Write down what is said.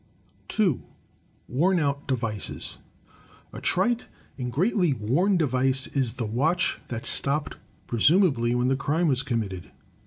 2. Worn out Devices A trite and greatly worn device is the watch that stopped presumably when the crime was committed.